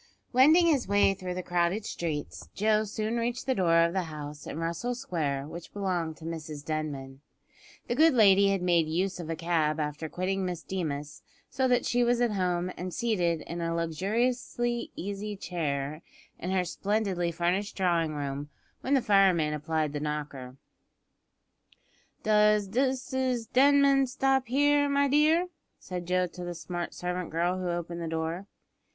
Wending his way through the crowded streets, Joe soon reached the door of the house in Russell Square which belonged to Mrs Denman. The good lady had made use of a cab after quitting Miss Deemas, so that she was at home and seated in a luxuriously easy chair in her splendidly furnished drawing room when the fireman applied the knocker. "Does Mrs Denman stop here, my dear?" said Joe to the smart servant girl who opened the door.